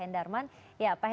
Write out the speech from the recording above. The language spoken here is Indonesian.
terima kasih pak